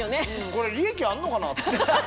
これ利益あんのかな？と思って。